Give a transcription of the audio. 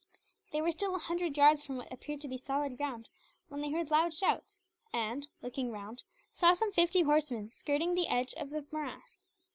They were still a hundred yards from what appeared to be solid ground when they heard loud shouts and, looking round, saw some fifty horsemen skirting the edge of the morass.